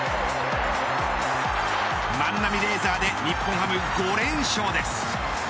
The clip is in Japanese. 万波レーザーで日本ハム５連勝です。